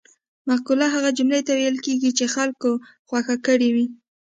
مقوله هغه جملې ته ویل کیږي چې خلکو خوښه کړې وي